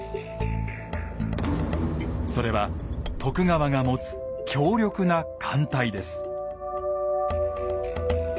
それは徳川が持つ強力な艦隊です。